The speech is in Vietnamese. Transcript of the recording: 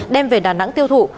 đem về đà nẵng tiêu thụ